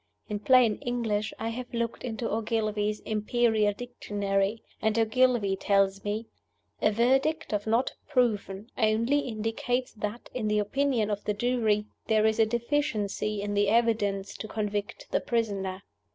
In plain English, I have looked into Ogilvie's 'Imperial Dictionary,' and Ogilvie tells me, 'A verdict of Not Proven only indicates that, in the opinion of the jury, there is a deficiency in the evidence to convict the prisoner.